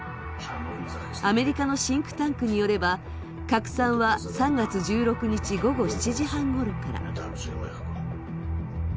アメリカのシンクタンクによれば、拡散は３月１６日午後７時半ごろから。